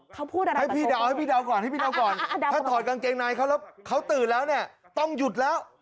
ให้พี่เดาก่อนถอดกางเกงในเขาตื่นแล้วต้องหยุดแล้ว